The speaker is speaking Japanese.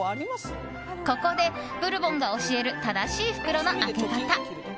ここで、ブルボンが教える正しい袋の開け方。